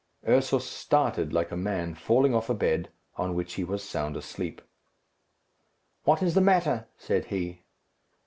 Ursus started like a man falling off a bed, on which he was sound asleep. "What is the matter?" said he.